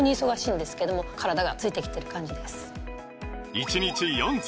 １日４粒！